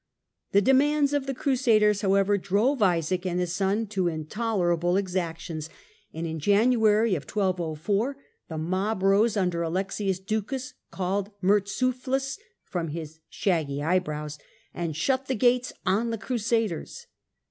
The demands of the Crusaders, however, drove Isaac and his son to intolerable exactions, and in January 1204 the mob rose under Alexius Ducas, called "Murtzuphlus " from his shaggy eyebrows, and shut the gates on the Crusaders.